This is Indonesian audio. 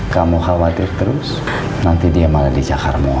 kamu khawatir terus nanti dia malah di cakar monyet lo